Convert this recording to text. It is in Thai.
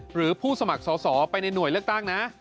หรือผู้สมัครสอสอไปในหน่วยเลือกตั้งนะ